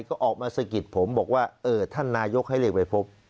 ก็ออกมาสะกิดผมบอกว่าเออท่านนายกให้เรียกไปพบ